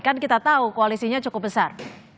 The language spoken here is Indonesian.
kan kita tahu koalisinya cukup besar